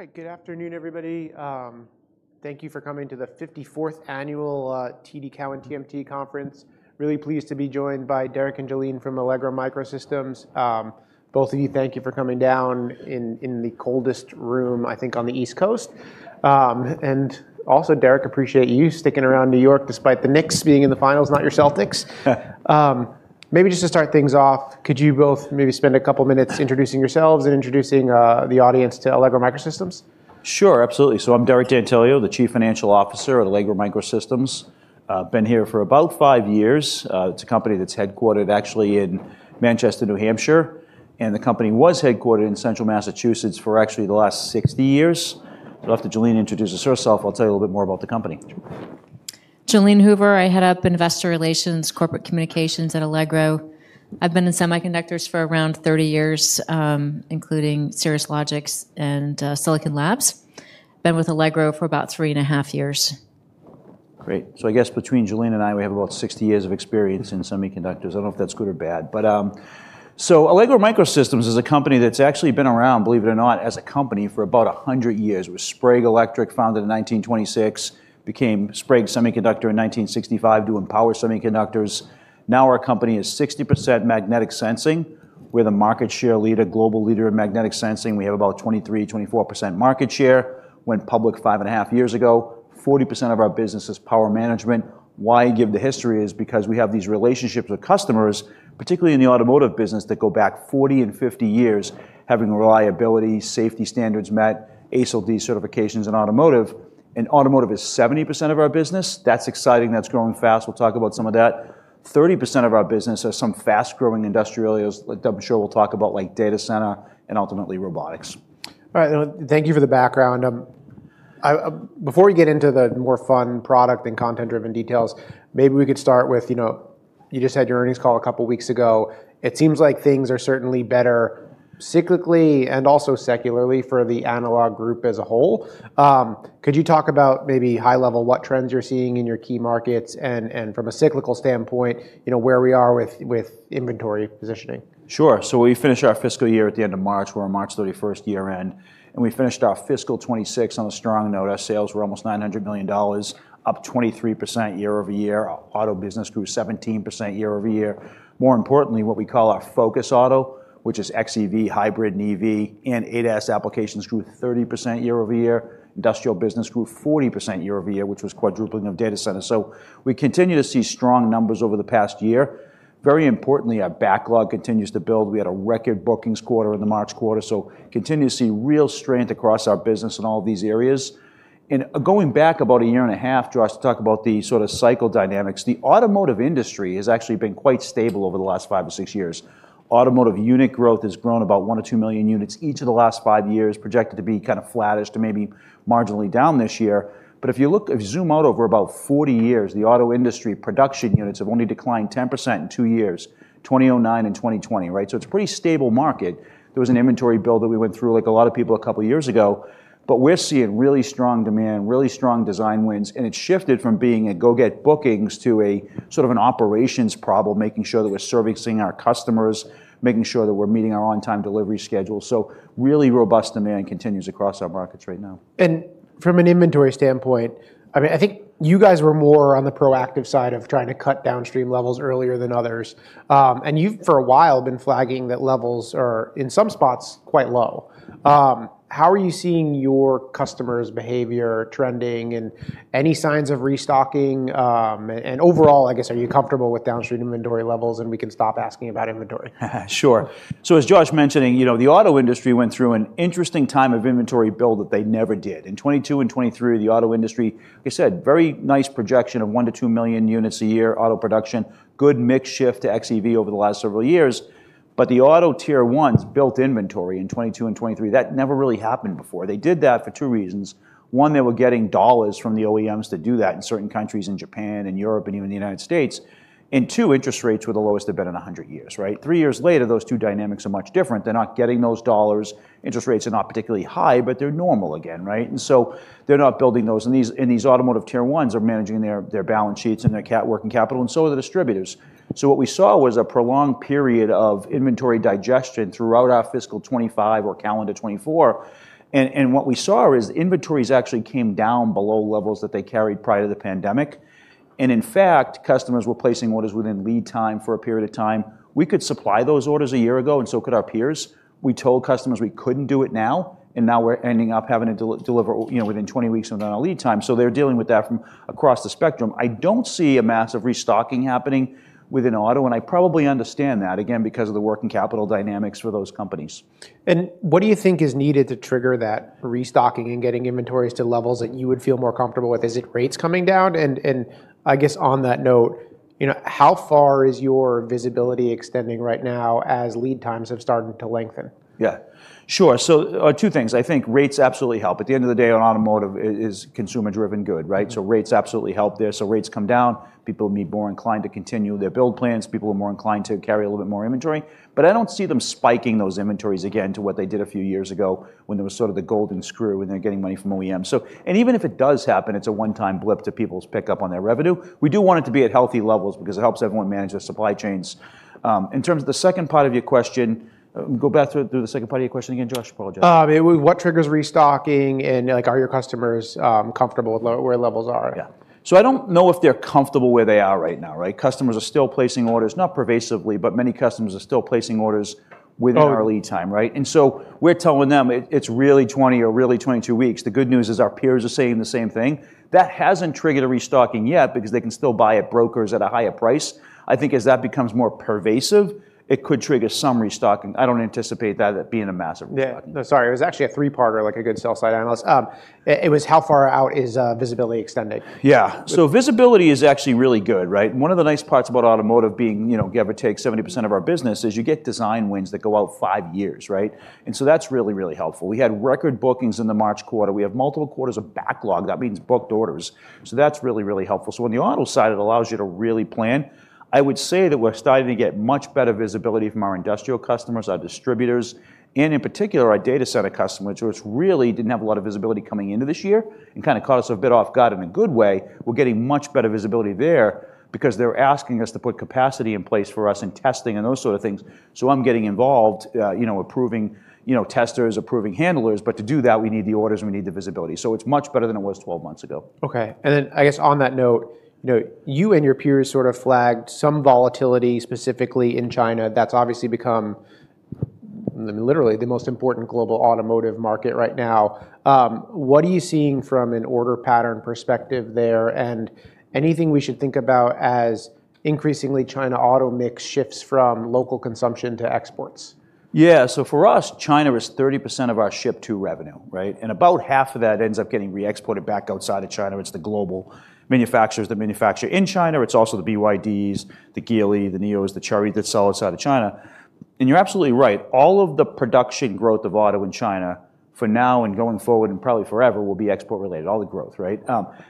All right. Good afternoon, everybody. Thank you for coming to the 54th Annual TD Cowen TMT Conference. Really pleased to be joined by Derek and Jalene from Allegro MicroSystems. Both of you, thank you for coming down in the coldest room, I think, on the East Coast. Also, Derek, appreciate you sticking around New York despite the Knicks being in the finals, not your Celtics. Maybe just to start things off, could you both maybe spend a couple of minutes introducing yourselves and introducing the audience to Allegro MicroSystems? Sure, absolutely. I'm Derek D'Antilio, the Chief Financial Officer of Allegro MicroSystems. Been here for about five years. It's a company that's headquartered actually in Manchester, New Hampshire, and the company was headquartered in central Massachusetts for actually the last 60 years. After Jalene introduces herself, I'll tell you a little bit more about the company. Jalene Hoover. I head up investor relations, corporate communications at Allegro. I've been in semiconductors for around 30 years, including Cirrus Logic and Silicon Labs. Been with Allegro for about three and a half years. Great. I guess between Jalene and I, we have about 60 years of experience in semiconductors. I don't know if that's good or bad. Allegro MicroSystems is a company that's actually been around, believe it or not, as a company for about 100 years. It was Sprague Electric, founded in 1926, became Sprague Semiconductor in 1965, doing power semiconductors. Now our company is 60% magnetic sensing. We're the market share leader, global leader in magnetic sensing. We have about 23%-24% market share. Went public five and a half years ago. 40% of our business is power management. Why give the history is because we have these relationships with customers, particularly in the automotive business, that go back 40 and 50 years, having reliability, safety standards met, ASIL D certifications in automotive. Automotive is 70% of our business. That's exciting. That's growing fast. We'll talk about some of that. 30% of our business is some fast-growing industrial, as I'm sure we'll talk about, like data center and ultimately robotics. All right. Thank you for the background. Before we get into the more fun product and content-driven details, maybe we could start with, you just had your earnings call a couple of weeks ago. It seems like things are certainly better cyclically and also secularly for the analog group as a whole. Could you talk about maybe high level, what trends you're seeing in your key markets and from a cyclical standpoint, where we are with inventory positioning? Sure. We finished our fiscal year at the end of March. We're a March 31st year-end, and we finished our FY 2026 on a strong note. Our sales were almost $900 million, up 23% year-over-year. Our auto business grew 17% year-over-year. More importantly, what we call our focus auto, which is XEV, hybrid EV, and ADAS applications, grew 30% year-over-year. Industrial business grew 40% year-over-year, which was quadrupling of data centers. We continue to see strong numbers over the past year. Very importantly, our backlog continues to build. We had a record bookings quarter in the March quarter, so continue to see real strength across our business in all these areas. Going back about a year and a half, Josh, to talk about the sort of cycle dynamics, the automotive industry has actually been quite stable over the last five or six years. Automotive unit growth has grown about 1 million-2 million units each of the last five years, projected to be kind of flattish to maybe marginally down this year. If you zoom out over about 40 years, the auto industry production units have only declined 10% in two years, 2009 and 2020, right? It's a pretty stable market. There was an inventory build that we went through, like a lot of people, a couple of years ago, but we're seeing really strong demand, really strong design wins, and it's shifted from being a go-get bookings to a sort of an operations problem, making sure that we're servicing our customers, making sure that we're meeting our on-time delivery schedule. Really robust demand continues across our markets right now. From an inventory standpoint, I think you guys were more on the proactive side of trying to cut downstream levels earlier than others. You've, for a while, been flagging that levels are, in some spots, quite low. How are you seeing your customers' behavior trending and any signs of restocking? Overall, I guess, are you comfortable with downstream inventory levels, and we can stop asking about inventory? Sure. As Josh mentioning, the auto industry went through an interesting time of inventory build that they never did. In 2022 and 2023, the auto industry, like I said, very nice projection of 1 million-2 million units a year auto production, good mix shift to XEV over the last several years. The auto tier ones built inventory in 2022 and 2023. That never really happened before. They did that for two reasons. One, they were getting dollars from the OEMs to do that in certain countries, in Japan and Europe, and even the U.S. Two, interest rates were the lowest they've been in 100 years, right? Three years later, those two dynamics are much different. They're not getting those dollars. Interest rates are not particularly high, but they're normal again, right? They're not building those. These automotive tier ones are managing their balance sheets and their working capital, and so are the distributors. What we saw was a prolonged period of inventory digestion throughout our fiscal 2025 or calendar 2024. What we saw is inventories actually came down below levels that they carried prior to the pandemic. In fact, customers were placing orders within lead time for a period of time. We could supply those orders a year ago, and so could our peers. We told customers we couldn't do it now, and now we're ending up having to deliver within 20 weeks of lead time. They're dealing with that from across the spectrum. I don't see a massive restocking happening within auto, and I probably understand that, again, because of the working capital dynamics for those companies. What do you think is needed to trigger that restocking and getting inventories to levels that you would feel more comfortable with? Is it rates coming down? I guess on that note, how far is your visibility extending right now as lead times have started to lengthen? Yeah. Sure. Two things. I think rates absolutely help. At the end of the day, automotive is consumer-driven good, right? Rates absolutely help there. Rates come down, people may be more inclined to continue their build plans. People are more inclined to carry a little bit more inventory. I don't see them spiking those inventories again to what they did a few years ago when there was sort of the golden screw and they're getting money from OEMs. Even if it does happen, it's a one-time blip to people's pick up on their revenue. We do want it to be at healthy levels because it helps everyone manage their supply chains. In terms of the second part of your question, go back through the second part of your question again, Josh. Apologize. What triggers restocking and are your customers comfortable with where levels are? Yeah. I don't know if they're comfortable where they are right now, right? Customers are still placing orders, not pervasively, but many customers are still placing orders within our lead time, right? We're telling them it's really 20 or really 22 weeks. The good news is our peers are saying the same thing. That hasn't triggered a restocking yet because they can still buy at brokers at a higher price. I think as that becomes more pervasive, it could trigger some restocking. I don't anticipate that being a massive restocking. Yeah. No, sorry. It was actually a three-parter, like a good sell side analyst. It was how far out is visibility extended? Yeah. Visibility is actually really good, right? One of the nice parts about automotive being, give or take, 70% of our business is you get design wins that go out five years, right? That's really, really helpful. We had record bookings in the March quarter. We have multiple quarters of backlog. That means booked orders. That's really, really helpful. On the auto side, it allows you to really plan. I would say that we're starting to get much better visibility from our industrial customers, our distributors, and in particular, our data center customers, which really didn't have a lot of visibility coming into this year and kind of caught us a bit off guard in a good way. We're getting much better visibility there because they're asking us to put capacity in place for us and testing and those sort of things. I'm getting involved approving testers, approving handlers. To do that, we need the orders, and we need the visibility. It's much better than it was 12 months ago. Okay. I guess on that note, you and your peers sort of flagged some volatility specifically in China. That is obviously become, literally, the most important global automotive market right now. What are you seeing from an order pattern perspective there, and anything we should think about as increasingly China auto mix shifts from local consumption to exports? For us, China is 30% of our ship to revenue, right? About half of that ends up getting re-exported back outside of China. It's the global manufacturers that manufacture in China. It's also the BYDs, the Geely, the Nios, the Chery that sell outside of China. You're absolutely right, all of the production growth of auto in China for now and going forward and probably forever will be export related, all the growth, right?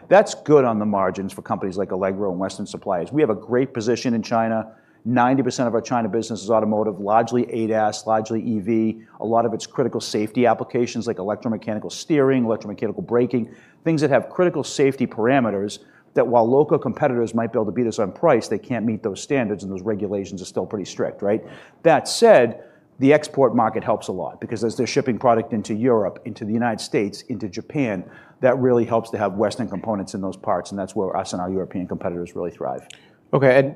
That's good on the margins for companies like Allegro and Western suppliers. We have a great position in China. 90% of our China business is automotive, largely ADAS, largely EV. A lot of it's critical safety applications like electromechanical steering, electromechanical braking, things that have critical safety parameters that while local competitors might be able to beat us on price, they can't meet those standards, and those regulations are still pretty strict, right? That said, the export market helps a lot because as they're shipping product into Europe, into the United States, into Japan, that really helps to have Western components in those parts, and that's where us and our European competitors really thrive. Okay,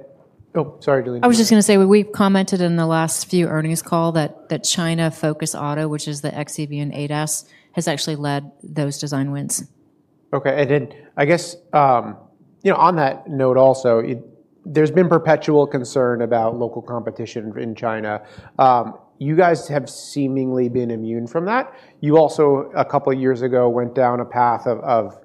Oh, sorry, Jalene. I was just going to say, we've commented in the last few earnings call that China-focused auto, which is the XEV and ADAS, has actually led those design wins. Okay. I guess, on that note also, there's been perpetual concern about local competition in China. You guys have seemingly been immune from that. You also, a couple of years ago, went down a path of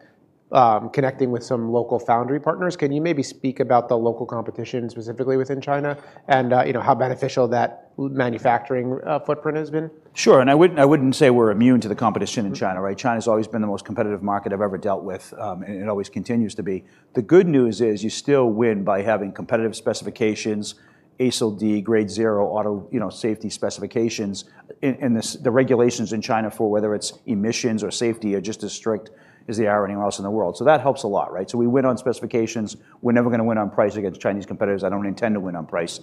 connecting with some local foundry partners. Can you maybe speak about the local competition specifically within China and how beneficial that manufacturing footprint has been? Sure. I wouldn't say we're immune to the competition in China, right? China's always been the most competitive market I've ever dealt with, and it always continues to be. The good news is you still win by having competitive specifications, ASIL D, Grade Zero auto safety specifications, and the regulations in China for whether it's emissions or safety are just as strict as they are anywhere else in the world. That helps a lot, right? We win on specifications. We're never going to win on price against Chinese competitors. I don't intend to win on price.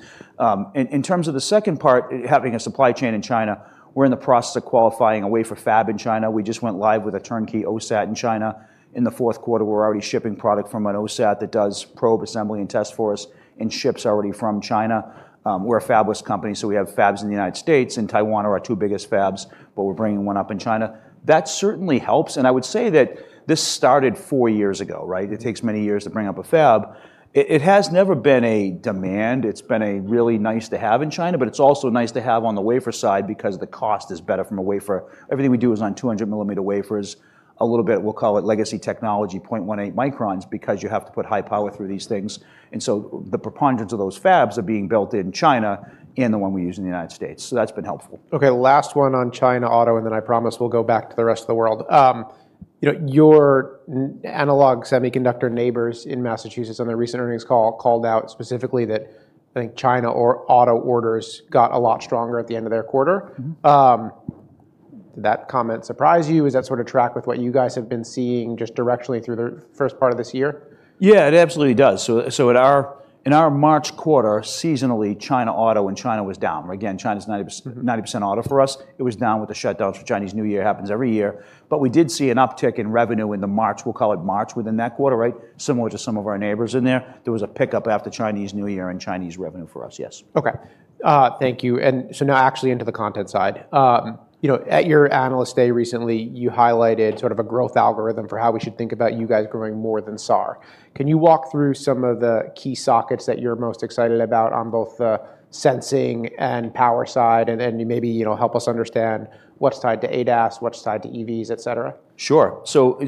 In terms of the second part, having a supply chain in China, we're in the process of qualifying a wafer fab in China. We just went live with a turnkey OSAT in China. In the fourth quarter, we're already shipping product from an OSAT that does probe assembly and test for us and ships already from China. We're a fabless company, so we have fabs in the United States and Taiwan are our two biggest fabs, but we're bringing one up in China. That certainly helps, and I would say that this started four years ago, right? It takes many years to bring up a fab. It has never been a demand. It's been a really nice to have in China, but it's also nice to have on the wafer side because the cost is better from a wafer. Everything we do is on 200-mm wafers, a little bit, we'll call it legacy technology, 0.18 micron, because you have to put high power through these things. The preponderance of those fabs are being built in China and the one we use in the U.S. That's been helpful. Okay, last one on China auto, and then I promise we'll go back to the rest of the world. Your analog semiconductor neighbors in Massachusetts on their recent earnings call called out specifically that I think China auto orders got a lot stronger at the end of their quarter. Did that comment surprise you? Is that sort of track with what you guys have been seeing just directionally through the first part of this year? Yeah, it absolutely does. In our March quarter, seasonally, China auto when China was down. Again, China's 90% auto for us. It was down with the shutdowns for Chinese New Year, happens every year. We did see an uptick in revenue in the March, we'll call it March, within that quarter, right? Similar to some of our neighbors in there. There was a pickup after Chinese New Year in Chinese revenue for us, yes. Okay. Thank you. Now actually into the content side. At your Analyst Day recently, you highlighted sort of a growth algorithm for how we should think about you guys growing more than SAAR. Can you walk through some of the key sockets that you're most excited about on both the sensing and power side, and maybe help us understand what's tied to ADAS, what's tied to EVs, et cetera? Sure.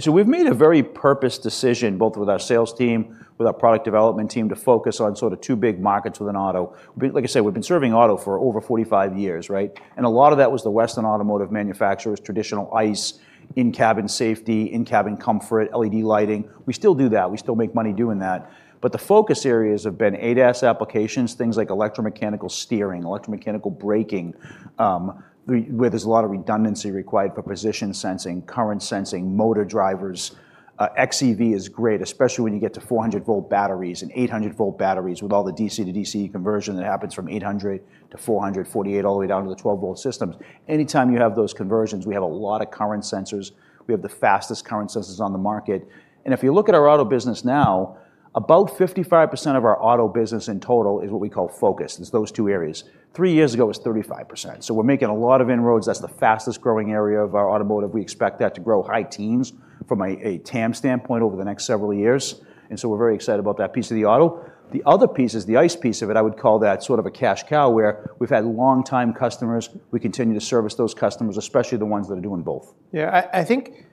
We've made a very purposed decision, both with our sales team, with our product development team, to focus on sort of two big markets within auto. Like I said, we've been serving auto for over 45 years, right? A lot of that was the Western automotive manufacturers, traditional ICE, in-cabin safety, in-cabin comfort, LED lighting. We still do that. We still make money doing that. The focus areas have been ADAS applications, things like electromechanical steering, electromechanical braking, where there's a lot of redundancy required for position sensing, current sensing, motor drivers. XEV is great, especially when you get to 400-volt batteries and 800-volt batteries with all the DC-to-DC conversion that happens from 800 to 400, 48, all the way down to the 12-volt systems. Anytime you have those conversions, we have a lot of current sensors. We have the fastest current sensors on the market. If you look at our auto business now, about 55% of our auto business in total is what we call focused. It's those two areas. Three years ago, it was 35%. We're making a lot of inroads. That's the fastest-growing area of our automotive. We expect that to grow high teens from a TAM standpoint over the next several years, we're very excited about that piece of the auto. The other piece is the ICE piece of it. I would call that sort of a cash cow, where we've had longtime customers. We continue to service those customers, especially the ones that are doing both. I think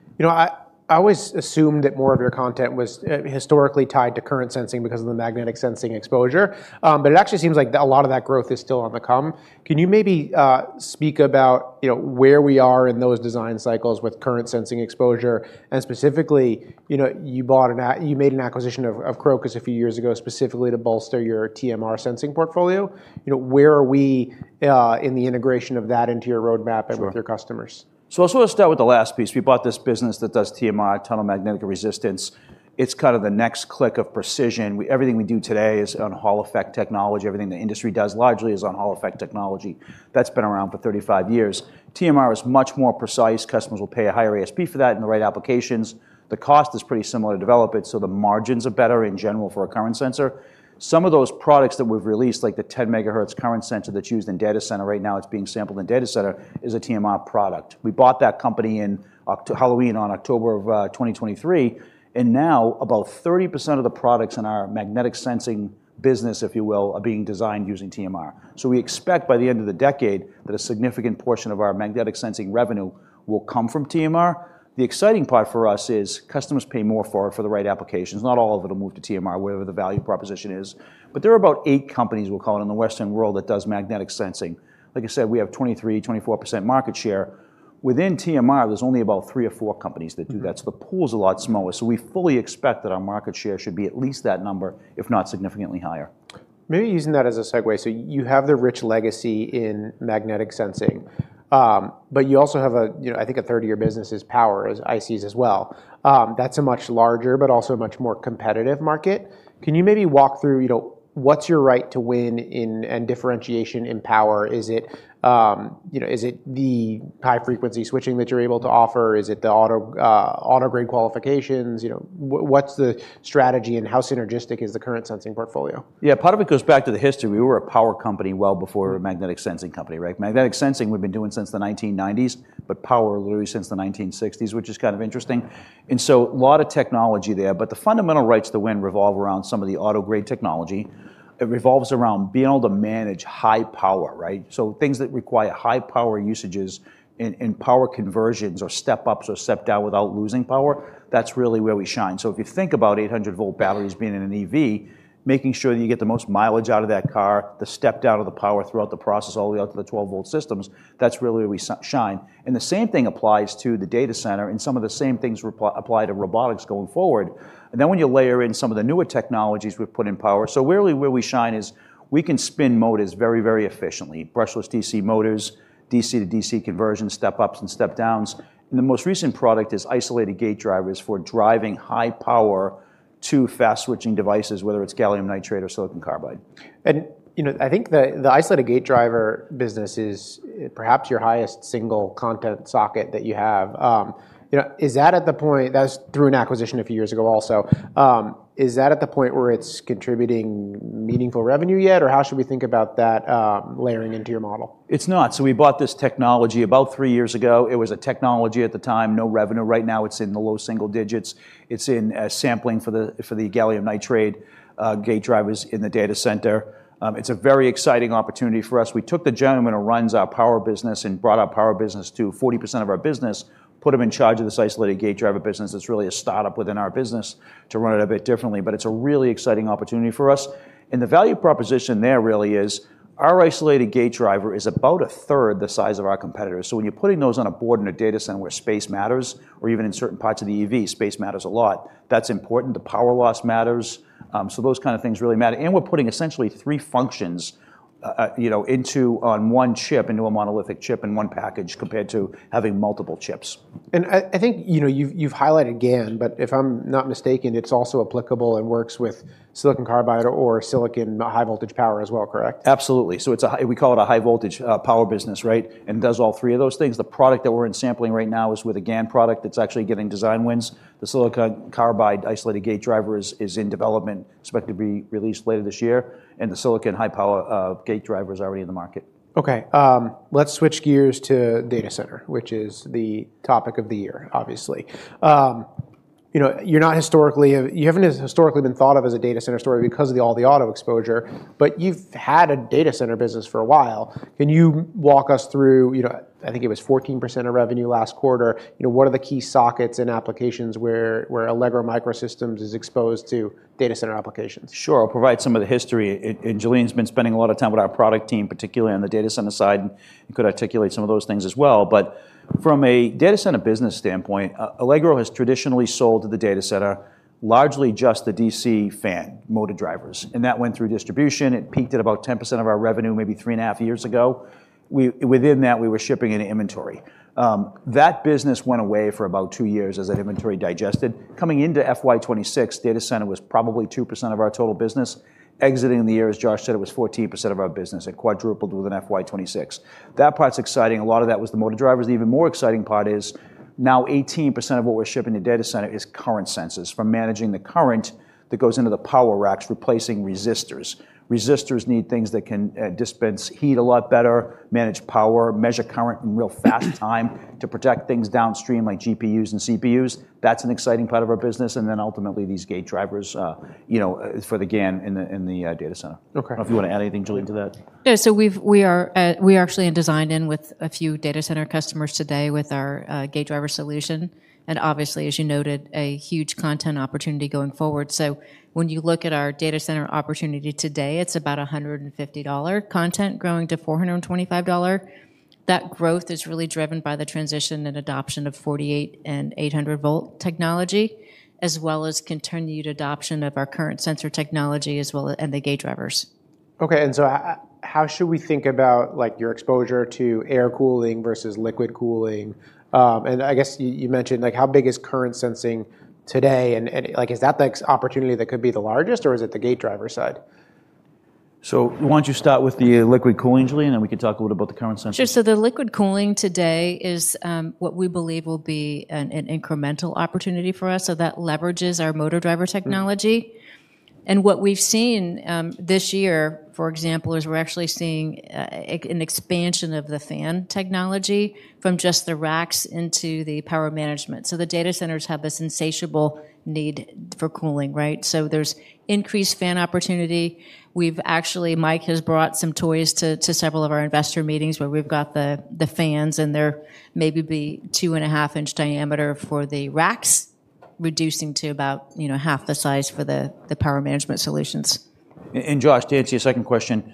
I always assumed that more of your content was historically tied to current sensing because of the magnetic sensing exposure. It actually seems like a lot of that growth is still on the come. Can you maybe speak about where we are in those design cycles with current sensing exposure? Specifically, you made an acquisition of Crocus a few years ago specifically to bolster your TMR sensing portfolio. Where are we in the integration of that into your roadmap and with your customers? I just want to start with the last piece. We bought this business that does TMR, tunnel magnetoresistance. It's kind of the next click of precision. Everything we do today is on Hall effect technology. Everything the industry does largely is on Hall effect technology. That's been around for 35 years. TMR is much more precise. Customers will pay a higher ASP for that in the right applications. The cost is pretty similar to develop it, the margins are better in general for a current sensor. Some of those products that we've released, like the 10 MHz current sensor that's used in data center right now, it's being sampled in data center, is a TMR product. We bought that company on Halloween, on October of 2023, now about 30% of the products in our magnetic sensing business, if you will, are being designed using TMR. We expect by the end of the decade that a significant portion of our magnetic sensing revenue will come from TMR. The exciting part for us is customers pay more for it for the right applications. Not all of it will move to TMR, whatever the value proposition is. There are about eight companies, we'll call it, in the Western world that does magnetic sensing. Like I said, we have 23%, 24% market share. Within TMR, there's only about three or four companies that do that, so the pool's a lot smaller. We fully expect that our market share should be at least that number, if not significantly higher. Maybe using that as a segue. You have the rich legacy in magnetic sensing. You also have, I think a third of your business is power ICs as well. That's a much larger but also a much more competitive market. Can you maybe walk through what's your right to win and differentiation in power? Is it the high-frequency switching that you're able to offer? Is it the auto-grade qualifications? What's the strategy and how synergistic is the current sensing portfolio? Yeah. Part of it goes back to the history. We were a power company well before a magnetic sensing company, right? Magnetic sensing we've been doing since the 1990s, but power literally since the 1960s, which is kind of interesting. A lot of technology there, but the fundamental rights to win revolve around some of the auto-grade technology. It revolves around being able to manage high power, right? Things that require high power usages in power conversions or step-ups or step-down without losing power, that's really where we shine. If you think about 800-volt batteries being in an EV, making sure that you get the most mileage out of that car, the step-down of the power throughout the process all the way up to the 12-volt systems, that's really where we shine. The same thing applies to the data center, and some of the same things apply to robotics going forward. When you layer in some of the newer technologies we've put in power. Really where we shine is we can spin motors very efficiently. Brushless DC motors, DC-to-DC conversion, step-ups and step-downs, and the most recent product is isolated gate drivers for driving high power to fast-switching devices, whether it's gallium nitride or silicon carbide. I think the isolated gate drivers business is perhaps your highest single content socket that you have. That was through an acquisition a few years ago also. Is that at the point where it's contributing meaningful revenue yet, or how should we think about that layering into your model? It's not. We bought this technology about three years ago. It was a technology at the time, no revenue. Right now, it's in the low single digits. It's in sampling for the gallium nitride gate drivers in the data center. It's a very exciting opportunity for us. We took the gentleman who runs our power business and brought our power business to 40% of our business, put him in charge of this isolated gate driver business that's really a startup within our business to run it a bit differently. It's a really exciting opportunity for us. The value proposition there really is our isolated gate driver is about a third the size of our competitors. When you're putting those on a board in a data center where space matters, or even in certain parts of the EV, space matters a lot. That's important. The power loss matters. Those kind of things really matter. We're putting essentially three functions on one chip, into a monolithic chip in one package, compared to having multiple chips. I think you've highlighted GaN, but if I'm not mistaken, it's also applicable and works with silicon carbide or silicon high voltage power as well, correct? Absolutely. We call it a high voltage power business, right? It does all three of those things. The product that we're in sampling right now is with a GaN product that's actually getting design wins. The silicon carbide isolated gate driver is in development, expected to be released later this year, and the silicon high power gate driver is already in the market. Okay. Let's switch gears to data center, which is the topic of the year, obviously. You haven't historically been thought of as a data center story because of all the auto exposure, but you've had a data center business for a while. Can you walk us through, I think it was 14% of revenue last quarter, what are the key sockets and applications where Allegro MicroSystems is exposed to data center applications? Sure. I'll provide some of the history. Jalene Hoover's been spending a lot of time with our product team, particularly on the data center side, and could articulate some of those things as well. From a data center business standpoint, Allegro has traditionally sold to the data center, largely just the DC fan motor drivers. That went through distribution. It peaked at about 10% of our revenue maybe three and a half years ago. Within that, we were shipping in inventory. That business went away for about two years as that inventory digested. Coming into FY 2026, data center was probably 2% of our total business. Exiting the year, as Josh said, it was 14% of our business. It quadrupled within FY 2026. That part's exciting. A lot of that was the motor drivers. The even more exciting part is now 18% of what we're shipping to data center is current sensors for managing the current that goes into the power racks, replacing resistors. Resistors need things that can dispense heat a lot better, manage power, measure current in real fast time to protect things downstream, like GPUs and CPUs. That's an exciting part of our business, and then ultimately, these gate drivers for the GaN in the data center. Okay. I don't know if you want to add anything, Jalene, to that. Yeah. We actually designed in with a few data center customers today with our gate driver solution, and obviously, as you noted, a huge content opportunity going forward. When you look at our data center opportunity today, it's about $150 content growing to $425. That growth is really driven by the transition and adoption of 48-volt and 800-volt technology, as well as continued adoption of our current sensor technology as well, and the gate drivers. How should we think about your exposure to air cooling versus liquid cooling? I guess you mentioned, how big is current sensing today, and is that the opportunity that could be the largest, or is it the gate driver side? Why don't you start with the liquid cooling, Jalene, and we can talk a little about the current sensor. Sure. The liquid cooling today is what we believe will be an incremental opportunity for us. That leverages our motor driver technology. What we've seen this year, for example, is we're actually seeing an expansion of the fan technology from just the racks into the power management. The data centers have this insatiable need for cooling, right? There's increased fan opportunity. Mike has brought some toys to several of our investor meetings where we've got the fans, and they're maybe 2.5-inch diameter for the racks, reducing to about half the size for the power management solutions. Josh, to answer your second question,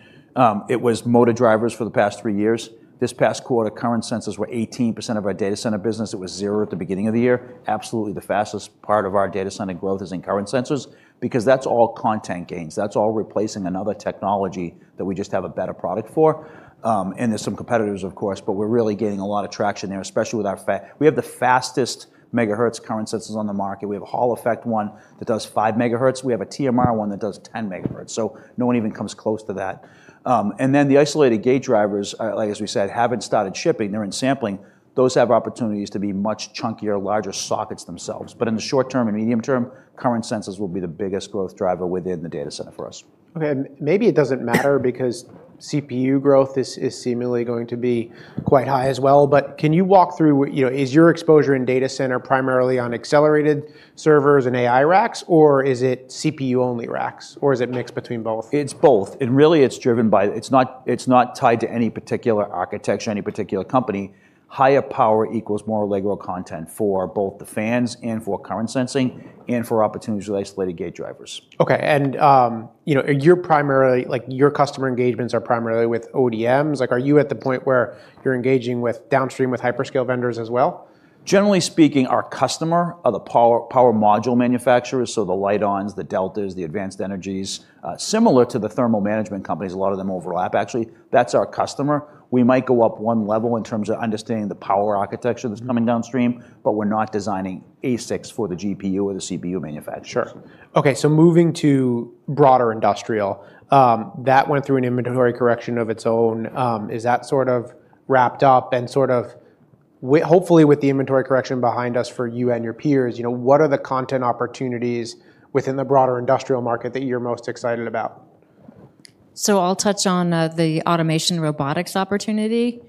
it was motor drivers for the past three years. This past quarter, current sensors were 18% of our data center business. It was zero at the beginning of the year. Absolutely the fastest part of our data center growth is in current sensors, because that's all content gains. That's all replacing another technology that we just have a better product for. There's some competitors, of course, but we're really gaining a lot of traction there, especially with our fact. We have the fastest megahertz current sensors on the market. We have a Hall effect one that does five megahertz. We have a TMR one that does 10 MHz. No one even comes close to that. The isolated gate drivers, as we said, haven't started shipping. They're in sampling. Those have opportunities to be much chunkier, larger sockets themselves. In the short term and medium term, current sensors will be the biggest growth driver within the data center for us. Okay, maybe it doesn't matter because CPU growth is seemingly going to be quite high as well. Can you walk through, is your exposure in data center primarily on accelerated servers and AI racks, or is it CPU-only racks, or is it mixed between both? It's both. It's not tied to any particular architecture, any particular company. Higher power equals more Allegro content for both the fans and for current sensing and for opportunities with isolated gate drivers. Okay. Your customer engagements are primarily with ODMs. Are you at the point where you're engaging with downstream with hyperscale vendors as well? Generally speaking, our customer are the power module manufacturers, the Lite-Ons, the Deltas, the Advanced Energies, similar to the thermal management companies. A lot of them overlap, actually. That's our customer. We might go up one level in terms of understanding the power architecture that's coming downstream, but we're not designing ASICs for the GPU or the CPU manufacturer. Sure. Okay, moving to broader industrial, that went through an inventory correction of its own. Is that sort of wrapped up and Hopefully with the inventory correction behind us for you and your peers, what are the content opportunities within the broader industrial market that you're most excited about? I'll touch on the automation robotics opportunity.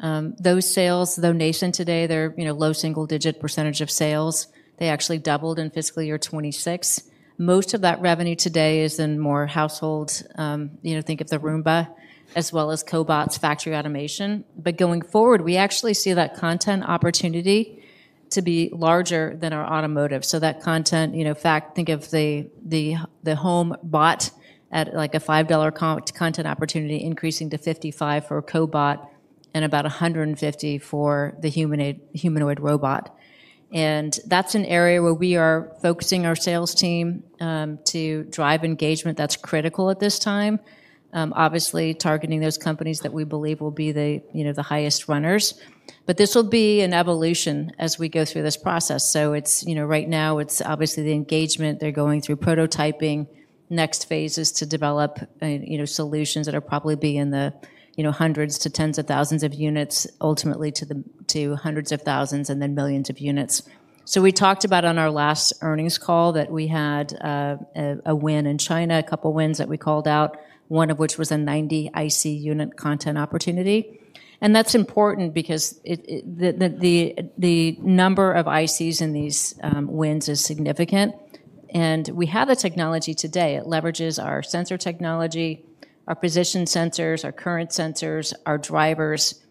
Those sales, though nascent today, they're low single-digit percent of sales. They actually doubled in FY 2026. Most of that revenue today is in more households. Think of the Roomba as well as cobots, factory automation. Going forward, we actually see that content opportunity to be larger than our automotive. That content, in fact, think of the home bot at a $5 content opportunity increasing to $55 for a cobot and about $150 for the humanoid robot. That's an area where we are focusing our sales team to drive engagement that's critical at this time, obviously targeting those companies that we believe will be the highest runners. This will be an evolution as we go through this process. Right now it's obviously the engagement. They're going through prototyping. Next phase is to develop solutions that will probably be in the hundreds to tens of thousands of units, ultimately to hundreds of thousands and then millions of units. We talked about on our last earnings call that we had a win in China, a couple of wins that we called out, one of which was a 90 IC unit content opportunity. That is important because the number of ICs in these wins is significant, and we have the technology today. It leverages our sensor technology, our position sensors, our current sensors, our drivers.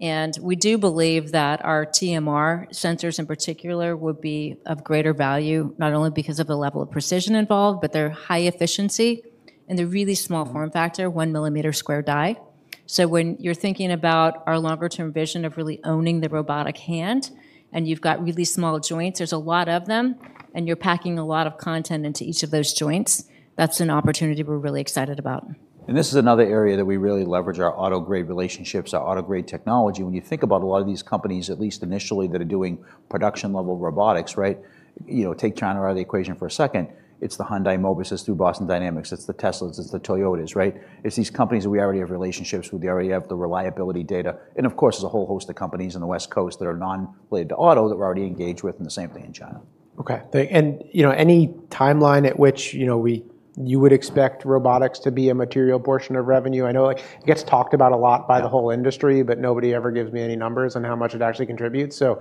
We do believe that our TMR sensors in particular would be of greater value, not only because of the level of precision involved, but their high efficiency and the really small form factor, one millimeter square die. When you're thinking about our longer-term vision of really owning the robotic hand, and you've got really small joints, there's a lot of them, and you're packing a lot of content into each of those joints, that's an opportunity we're really excited about. This is another area that we really leverage our auto-grade relationships, our auto-grade technology. When you think about a lot of these companies, at least initially, that are doing production-level robotics, right? Take China out of the equation for a second. It's the Hyundai Mobis. It's through Boston Dynamics. It's the Teslas. It's the Toyotas, right? It's these companies that we already have relationships with. We already have the reliability data. Of course, there's a whole host of companies on the West Coast that are non-related to auto that we're already engaged with, and the same thing in China. Okay. Any timeline at which you would expect robotics to be a material portion of revenue? I know it gets talked about a lot by the whole industry, but nobody ever gives me any numbers on how much it actually contributes. I'm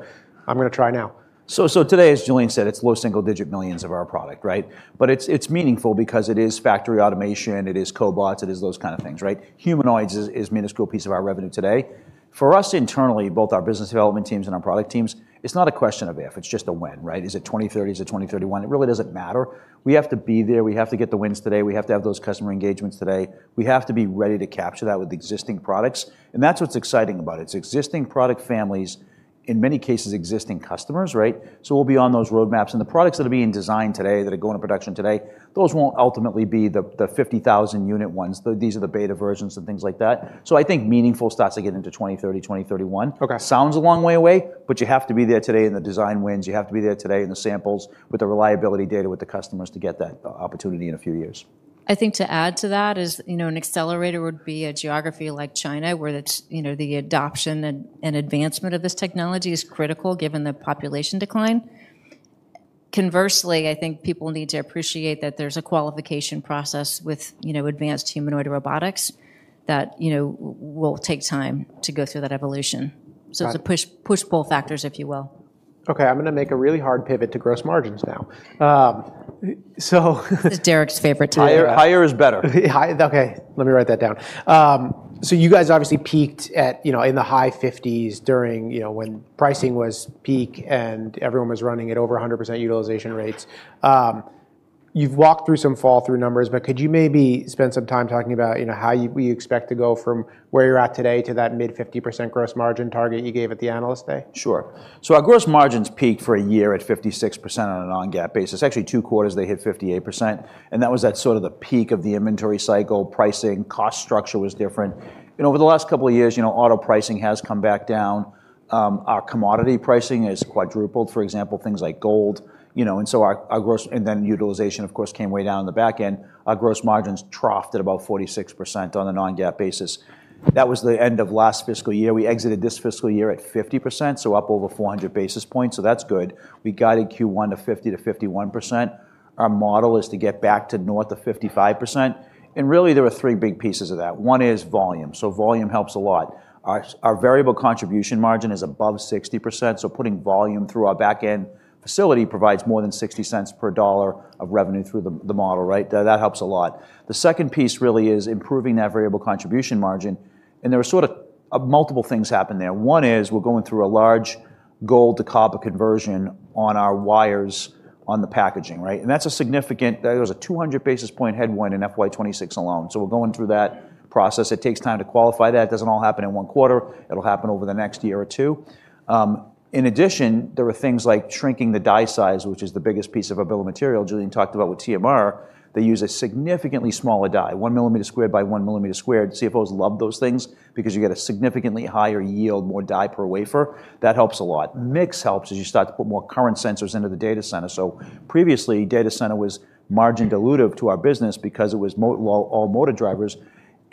going to try now. Today, as Jalene said, it's low single-digit millions of our product, right? It's meaningful because it is factory automation, it is cobots, it is those kind of things, right? Humanoids is a minuscule piece of our revenue today. For us internally, both our business development teams and our product teams, it's not a question of if, it's just a when, right? Is it 2030? Is it 2031? It really doesn't matter. We have to be there. We have to get the wins today. We have to have those customer engagements today. We have to be ready to capture that with existing products. That's what's exciting about it. It's existing product families, in many cases, existing customers, right? We'll be on those roadmaps. The products that are being designed today, that are going to production today, those won't ultimately be the 50,000 unit ones. These are the beta versions and things like that. I think meaningful starts to get into 2030, 2031. Okay. Sounds a long way away, but you have to be there today in the design wins. You have to be there today in the samples with the reliability data with the customers to get that opportunity in a few years. I think to add to that is an accelerator would be a geography like China, where the adoption and advancement of this technology is critical given the population decline. Conversely, I think people need to appreciate that there is a qualification process with advanced humanoid robotics that will take time to go through that evolution. Got it. It's a push-pull factor, if you will. Okay, I'm going to make a really hard pivot to gross margins now. This is Derek's favorite topic. Higher is better. Okay, let me write that down. You guys obviously peaked at in the high 50s during when pricing was peak and everyone was running at over 100% utilization rates. You've walked through some fall through numbers, but could you maybe spend some time talking about how you expect to go from where you're at today to that mid-50% gross margin target you gave at the Analyst Day? Sure. Our gross margins peaked for a year at 56% on a non-GAAP basis. Actually, two quarters, they hit 58%, and that was at sort of the peak of the inventory cycle, pricing, cost structure was different. Over the last couple of years, auto pricing has come back down. Our commodity pricing has quadrupled, for example, things like gold. Utilization, of course, came way down on the back end. Our gross margins troughed at about 46% on a non-GAAP basis. That was the end of last fiscal year. We exited this fiscal year at 50%, so up over 400 basis points, so that's good. We guided Q1 to 50%-51%. Our model is to get back to north of 55%. Really, there are three big pieces of that. One is volume. Volume helps a lot. Our variable contribution margin is above 60%, so putting volume through our back-end facility provides more than $0.60 per dollar of revenue through the model. That helps a lot. The second piece really is improving that variable contribution margin, and there are sort of multiple things happen there. One is we're going through a large gold to copper conversion on our wires on the packaging. That's a 200 basis point headwind in FY 2026 alone. We're going through that process. It takes time to qualify that. It doesn't all happen in one quarter. It'll happen over the next year or two. In addition, there are things like shrinking the die size, which is the biggest piece of a bill of material Jalene talked about with TMR. They use a significantly smaller die, 1 mm squared by 1 mm squared. CFOs love those things because you get a significantly higher yield, more die per wafer. That helps a lot. Mix helps as you start to put more current sensors into the data center. Previously, data center was margin dilutive to our business because it was all motor drivers.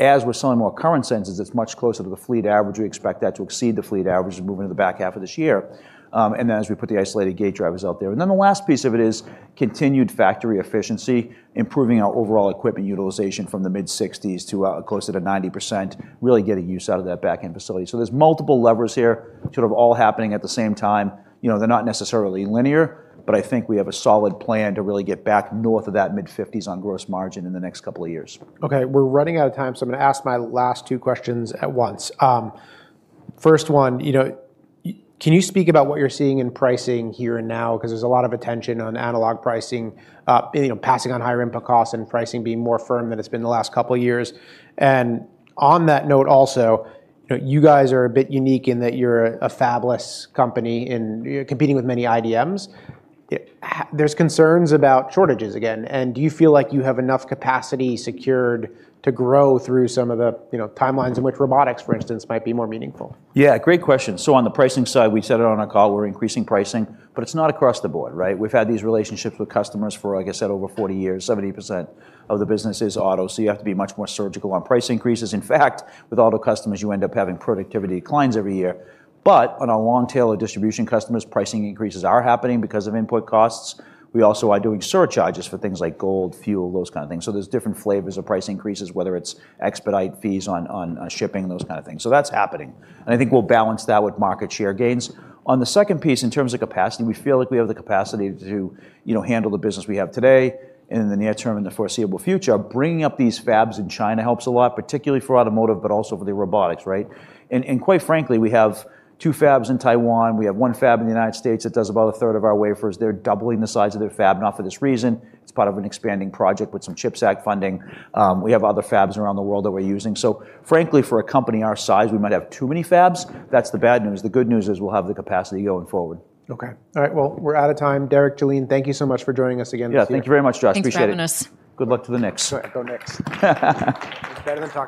As we're selling more current sensors, it's much closer to the fleet average. We expect that to exceed the fleet average as we move into the back half of this year, and as we put the isolated gate drivers out there. The last piece of it is continued factory efficiency, improving our overall equipment utilization from the mid-60s to closer to 90%, really getting use out of that back-end facility. There's multiple levers here sort of all happening at the same time. They're not necessarily linear, but I think we have a solid plan to really get back north of that mid-50s on gross margin in the next couple of years. Okay, we're running out of time. I'm going to ask my last two questions at once. First one, can you speak about what you're seeing in pricing here and now? There's a lot of attention on analog pricing, passing on higher input costs, and pricing being more firm than it's been the last couple of years. On that note also, you guys are a bit unique in that you're a fabless company and competing with many IDMs. There's concerns about shortages again. Do you feel like you have enough capacity secured to grow through some of the timelines in which robotics, for instance, might be more meaningful? Yeah, great question. On the pricing side, we said it on our call, we're increasing pricing, but it's not across the board. We've had these relationships with customers for, like I said, over 40 years. 70% of the business is auto, you have to be much more surgical on price increases. In fact, with auto customers, you end up having productivity declines every year. On our long tail of distribution customers, pricing increases are happening because of input costs. We also are doing surcharges for things like gold, fuel, those kind of things. There's different flavors of price increases, whether it's expedite fees on shipping, those kind of things. That's happening, and I think we'll balance that with market share gains. On the second piece, in terms of capacity, we feel like we have the capacity to handle the business we have today and in the near term, in the foreseeable future. Bringing up these fabs in China helps a lot, particularly for automotive, but also for the robotics. Quite frankly, we have two fabs in Taiwan. We have one fab in the U.S. that does about a third of our wafers. They're doubling the size of their fab, not for this reason. It's part of an expanding project with some CHIPS Act funding. We have other fabs around the world that we're using. Frankly, for a company our size, we might have too many fabs. That's the bad news. The good news is we'll have the capacity going forward. Okay. All right, well, we're out of time. Derek, Jalene, thank you so much for joining us again this year. Yeah, thank you very much, Josh. Appreciate it. Thanks for having us. Good luck to the Knicks. Go Knicks. It's better than the Giants.